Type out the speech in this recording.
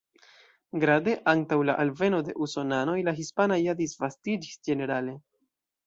Grade, antaŭ la alveno de Usonanoj, la Hispana ja disvastiĝis ĝenerale.